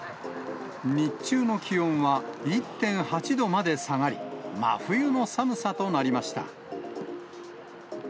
日中の気温は１．８度まで下がり、真冬の寒さとなりました。